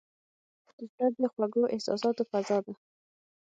زړه د خوږو احساساتو فضا ده.